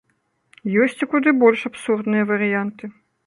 Ёсць і куды больш абсурдныя варыянты.